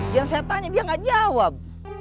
yang saya tanya dia nggak jawab